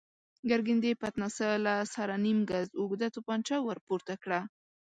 ګرګين د پتناسه له سره نيم ګز اوږده توپانچه ور پورته کړه.